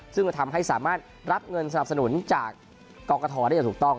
ซึ่งก็ทำให้สามารถรับเงินสนับสนุนจากกรกฐได้อย่างถูกต้อง